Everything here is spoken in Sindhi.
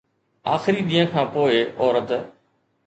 آخري ڏينهن کان پوء عورت